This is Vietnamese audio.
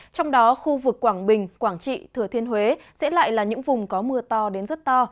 trong đó khu vực quảng bình quảng trị thừa thiên huế sẽ lại là những vùng có mưa to đến rất to